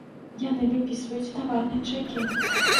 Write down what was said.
Яны выпісваюць таварныя чэкі!